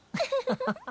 ハハハハ。